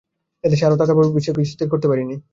এ দেশে আরও থাকার বিষয়ে এখনও কিছু স্থির করতে পারিনি।